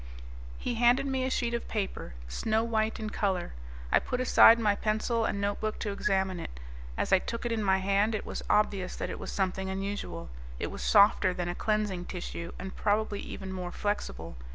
He handed me a sheet of paper, snow white in color. I put aside my pencil and notebook to examine it. As I took it in my hand it was obvious that it was something unusual. It was softer than a cleansing tissue, and probably even more flexible.